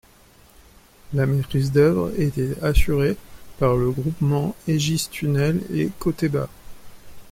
La maîtrise d’œuvre était assurée par le groupement Egis Tunnels et Coteba.